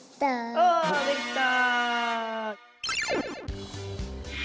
おできた！